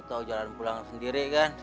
lo tau jalan pulang sendiri kan